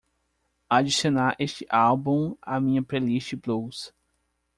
adicionar este álbum à minha playlist Blues